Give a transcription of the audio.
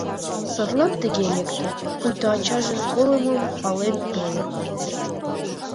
Садлан тыге лекте: пуйто ачажын колымым пален тольо.